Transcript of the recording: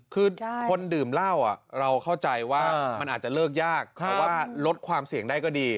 คือคนดื่มเหล้าเราเข้าใจว่ามันอาจจะเลิกยากแต่ว่าลดความเสี่ยงได้ก็ดี